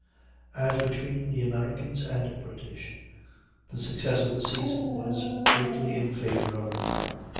As between the Americans and British, the success of the season was greatly in favor of the former.